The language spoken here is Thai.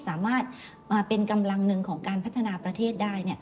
สามารถมาเป็นกำลังหนึ่งของการพัฒนาประเทศได้